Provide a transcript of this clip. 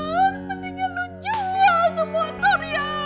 mendingan lu jual tuh motor ya